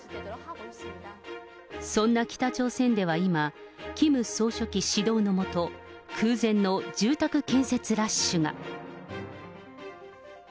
そんな北朝鮮では今、キム総書記指導の下、空前の住宅建設ラッシュが。